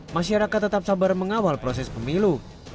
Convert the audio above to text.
masyarakat tetap sabar mengawal proses pemilu